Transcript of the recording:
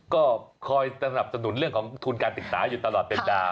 ก็คอยสนับสนุนเรื่องของทุนการศึกษาอยู่ตลอดเวลา